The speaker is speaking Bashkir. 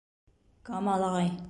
Камал ағай: